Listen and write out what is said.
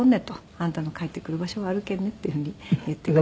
「あんたの帰ってくる場所はあるけんね」っていうふうに言ってくれて。